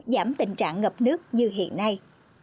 giảm tình trạng ngập nước như hiện nay